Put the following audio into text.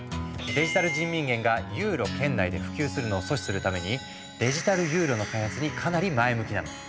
デジタル人民元がユーロ圏内で普及するのを阻止するためにデジタルユーロの開発にかなり前向きなの。